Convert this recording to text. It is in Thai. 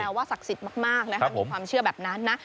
ว่าศักดิ์สิทธิ์มากนะคะมีความเชื่อแบบนั้นนะ